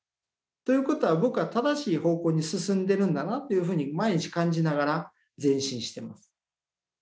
ということは僕は正しい方向に進んでるんだなというふうに毎日感じながら前進してます。